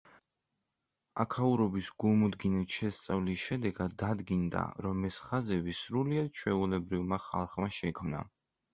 აქაურობის გულმოდგინედ შესწავლის შედეგად დადგინდა, რომ ეს ხაზები სრულიად ჩვეულებრივმა ხალხმა შექმნა.